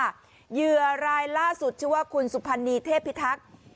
เหยื่อรายล่าสุดชื่อว่าคุณสุพรรณีเทพิทักษ์